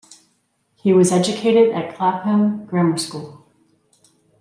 He was educated at Clapham Grammar School.